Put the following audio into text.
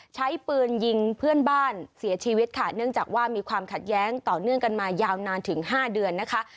ใช้ปืนยิงเพื่อนบ้านเสียชีวิตค่ะเนื่องจากว่ามีความขัดแย้งต่อเนื่องกันมายาวนานถึง๕เดือนนะคะ